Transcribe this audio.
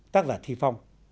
tác giả thi phong